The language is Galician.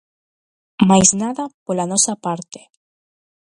Máis nada pola nosa parte.